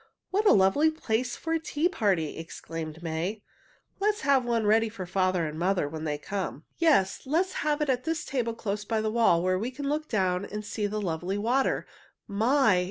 "What a lovely place for a tea party!" exclaimed May. "Let's have one ready for father and mother when they come." "Yes, let's have it at this table close by the wall, where we can look down and see the lovely water. My!